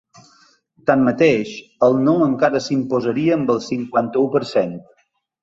Tanmateix, el no encara s’imposaria amb el cinquanta-u per cent.